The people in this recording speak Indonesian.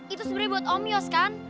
itu sebenarnya buat om yos kan